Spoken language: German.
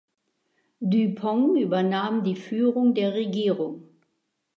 Dupong übernahm die Führung der Regierung.